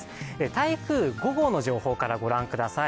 台風５号の情報からご覧ください。